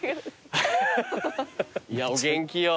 いやお元気よ